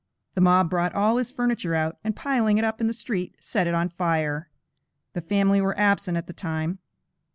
The mob brought all his furniture out, and piling it up in the street, set it on fire. The family were absent at the time.